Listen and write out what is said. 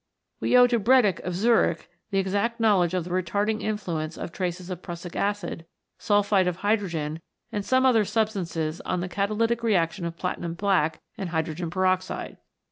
We owe to Bredig, of Zurich, the exact knowledge of the retarding influence of traces of prussic acid, sulphide of hydrogen and some other substances on the catalytic reaction of platinum black and hydrogen peroxide.